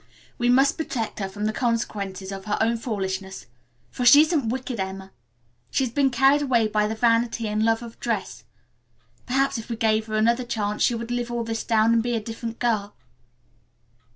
We must protect her from the consequences of her own foolishness. For she isn't wicked, Emma. She has been carried away by vanity and love of dress. Perhaps if we gave her another chance she would live all this down and be a different girl."